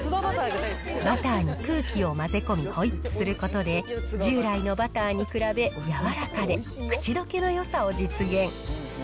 バターに空気を混ぜ込みホイップすることで、従来のバターに比べ柔らかで、口どけの良さを実現。